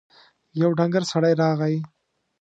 يو ډنګر سړی راغی.